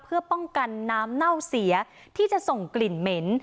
เพื่อป้องกันน้ำเน่าเสียที่จะส่งกลิ่นเหม็น